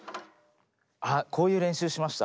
あっこういう練習しました。